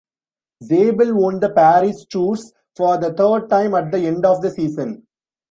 Zabel won the Paris-Tours for the third time at the end of the season.